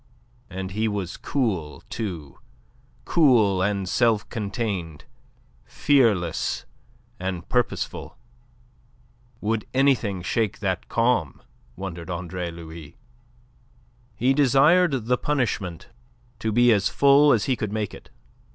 And he was cool, too; cool and self contained; fearless and purposeful. Would anything shake that calm, wondered Andre Louis? He desired the punishment to be as full as he could make it.